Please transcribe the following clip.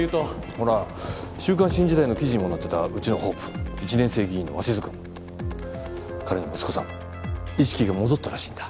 ほら「週刊新時代」の記事にもなってたうちのホープ１年生議員の鷲津君彼の息子さん意識が戻ったらしいんだ。